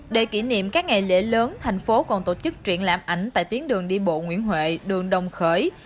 để kỷ niệm các ngày lễ lớn thành phố còn tổ chức triển lãm ảnh tại tuyến đường đi bộ nguyễn huệ đường đồng khởi